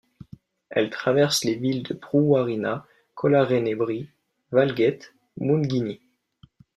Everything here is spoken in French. Elle traverse les villes de Brewarrina, Collarenebri, Walgett, Mungindi.